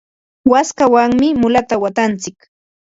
waskawanmi mulata watantsik.